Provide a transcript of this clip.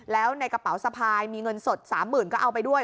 แล้วในกระเป๋าสะพายมีเงินสด๓๐๐๐ก็เอาไปด้วย